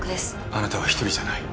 あなたは一人じゃない。